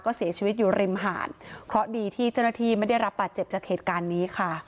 ก็เสียชีวิตอยู่ริมหาดเพราะดีที่เจ้าหน้าที่ไม่ได้รับบาดเจ็บจากเหตุการณ์นี้ค่ะ